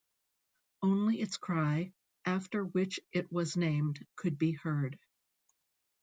Only its cry, after which it was named, could be heard.